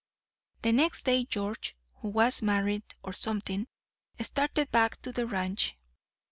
"The next day George, who was married or something, started back to the ranch.